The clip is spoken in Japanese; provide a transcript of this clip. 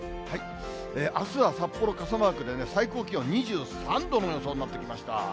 あすは札幌、傘マークでね、最高気温２３度の予想になってきました。